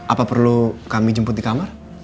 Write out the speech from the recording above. apa perlu kami jemput di kamar